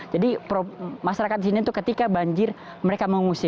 jadi masyarakat di sini ketika banjir mereka mengungsi